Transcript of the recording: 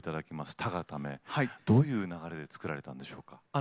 「誰が為」どういう流れで作られたんでしょうか？